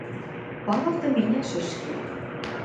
Павыл тыменяш ӹш ке.